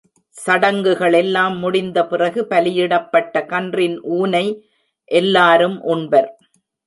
சடங்குகளெல்லாம் முடிந்தபிறகு பலியிடப்பட்ட கன்றின் ஊனை எல்லாரும் உண்பர்.